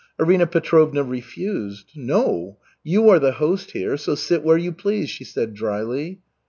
Arina Petrovna refused. "No, you are the host here, so sit where you please," she said drily.